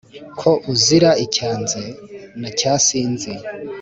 Ko uzira icyanze na cya sinzi,